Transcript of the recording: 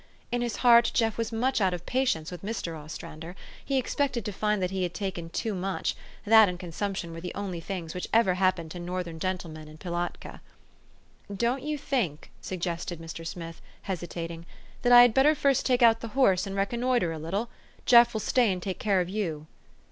In his heart Jeff was much out of patience with Mr. Ostrander ; he expected to find that he had taken too much; that and consumption were the only things which ever happened to Northern gentlemen in Pi latka. " Don't you think," suggested Mr. Smith, hesitat ing, " that I had better first take out the horse and reconnoitre a little ? Jeff will stay and take care of you."